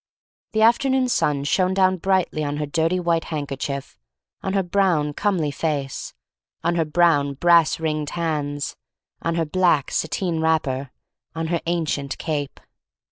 The afternoon sun shone down brightly on her dirty white hand kerchief, on her brown comely face, on her brown brass ringed hands, on her THE STORY OF MARY MAC LANE 3O9 black satine wrapper, on her ancient cape.